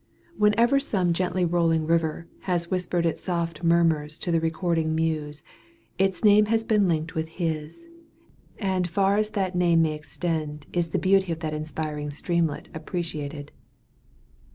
Wherever some "gently rolling river" has whispered its soft murmurs to the recording muse, its name has been linked with his; and far as that name may extend, is the beauty of that inspiring streamlet appreciated.